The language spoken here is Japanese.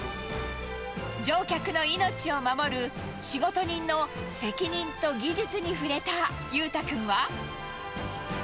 乗客の命を守る仕事人の責任と技術に触れた裕太君は。